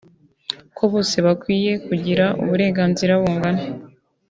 ko bose bakwiye kugira uburenganzira bungana